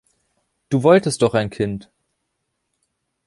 Du wolltest doch ein Kind!